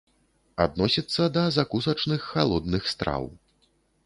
Адносіцца да закусачных халодных страў.